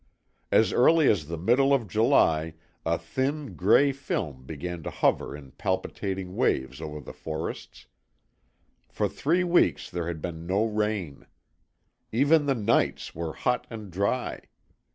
As early as the middle of July a thin, gray film began to hover in palpitating waves over the forests. For three weeks there had been no rain. Even the nights were hot and dry.